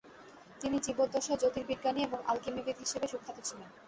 তিনি জীবদ্দশায় জ্যোতির্বিজ্ঞানী এবং আলকেমিবিদ হিসেবে সুখ্যাত ছিলেন।